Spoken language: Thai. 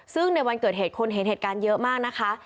ซึ่งในวันเกิดเหตุคนเห็นเหตุการณ์เยอะมากนะคะ